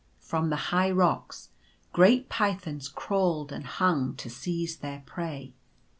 From the high rocks great pythons crawled and hung to seize their prey.